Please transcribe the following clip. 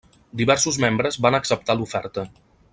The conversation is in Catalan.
Diversos membres van acceptar l'oferta.